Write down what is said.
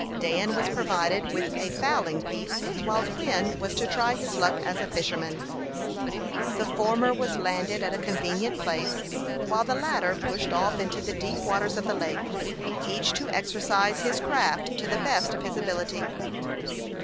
Dan was provided with a fowling piece, while Quin was to try his luck as a fisherman. The former was landed at a convenient place, while the latter pushed off into the deep waters of the lake, each to exercise his craft to the best of his ability.